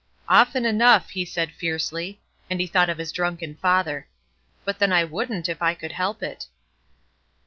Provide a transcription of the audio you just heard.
"Often enough," he said fiercely, and he thought of his drunken father. "But then I wouldn't if I could help it."